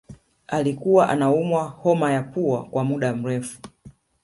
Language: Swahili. alikuwa anaumwa homa ya pau kwa muda mrefu